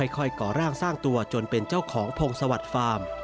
ค่อยก่อร่างสร้างตัวจนเป็นเจ้าของโพงสวัสดิ์ฟาร์ม